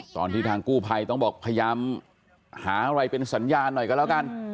ตอนที่ทางกู้ภัยต้องบอกพยายามหาอะไรเป็นสัญญาณหน่อยกันแล้วกัน